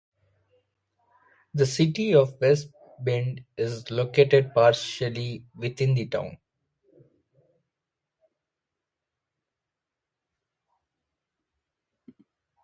The City of West Bend is located partially within the town.